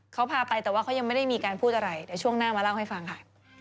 เขาพาไปแต่ว่าเขายังไม่ได้มีการพูดอะไรเดี๋ยวช่วงหน้ามาเล่าให้ฟังค่ะ